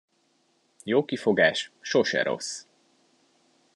Jó kifogás sose rossz.